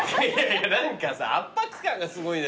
何かさ圧迫感がすごい。